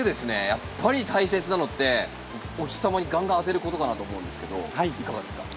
やっぱり大切なのってお日様にガンガン当てることかなと思うんですけどいかがですか？